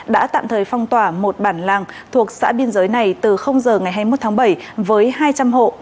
đã tạm thời phong tỏa một bản làng thuộc xã biên giới này từ giờ ngày hai mươi một tháng bảy với hai trăm linh hộ